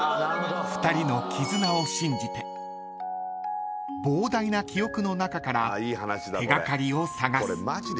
［２人の絆を信じて膨大な記憶の中から手掛かりを探す］